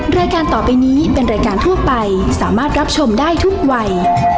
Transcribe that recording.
รายการต่อไปนี้เป็นรายการทั่วไปสามารถรับชมได้ทุกวัย